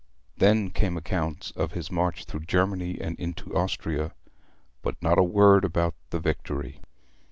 Then came accounts of his march through Germany and into Austria; but not a word about the Victory.